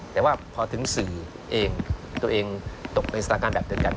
แต่ว่าพอถึงสื่อเองตัวเองตกในสถานการณ์แบบเดียวกัน